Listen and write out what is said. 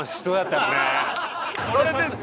それですよ。